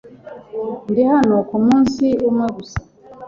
Ndi hano kumunsi umwe gusa .